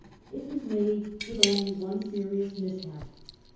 It was made with only one serious mishap.